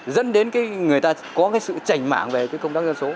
dẫn đến cái người ta có cái sự trành mạng về cái công tác dân số